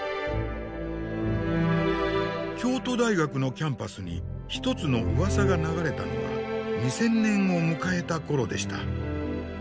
京都大学のキャンパスに一つのうわさが流れたのは２０００年を迎えた頃でした。